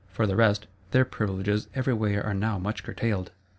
For the rest, their privileges every way are now much curtailed.